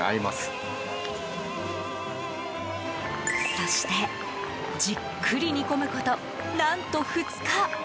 そしてじっくり煮込むこと何と２日！